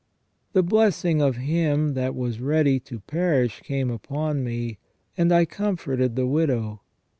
The blessing of him that was ready to perish came upon me ; and I comforted the widow.